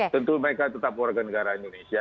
tentu mereka tetap warga negara indonesia